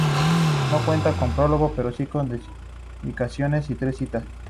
No cuenta con prólogo pero sí con una dedicación y tres citas.